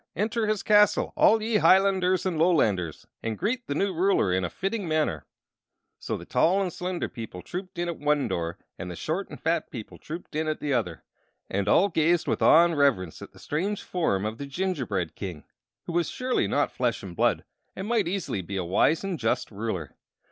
Enter his castle, all ye Hilanders and Lolanders, and greet the new ruler in a fitting manner!" So the tall and slender people trooped in at one door and the short and fat people trooped in at the other; and all gazed with awe and reverence at the strange form of the gingerbread king, who was surely not flesh and blood, and might easily be a wise and just ruler.